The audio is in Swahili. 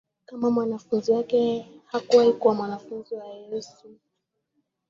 kama mwanafunzi wake Hakuwahi kuwa mwanafunzi wa Yesu